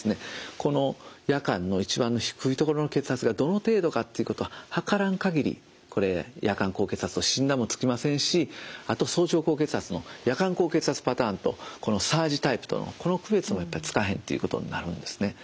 この夜間の一番低いところの血圧がどの程度かっていうことは測らん限りこれ夜間高血圧と診断もつきませんしあと早朝高血圧の夜間高血圧パターンとサージタイプとのこの区別もつかへんということになるんですね。